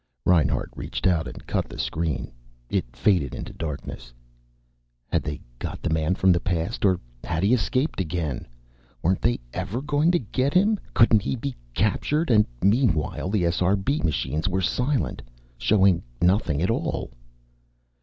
Reinhart reached out and cut the screen. It faded into darkness. Had they got the man from the past? Or had he escaped again? Weren't they ever going to get him? Couldn't he be captured? And meanwhile, the SRB machines were silent, showing nothing at all.